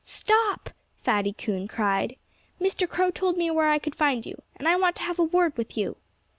"Stop!" Fatty Coon cried. "Mr. Crow told me where I could find you. And I want to have a word with you."